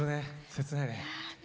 切ないね。